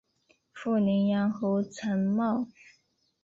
父宁阳侯陈懋。